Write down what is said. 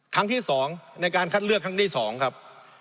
ครั้งที่๒ในการคัดเลือกครั้งที่๒ครับ